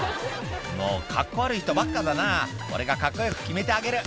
「もうカッコ悪い人ばっかだな俺がカッコよく決めてあげる」